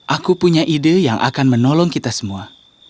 aku punya ide yang akan menolong kita semua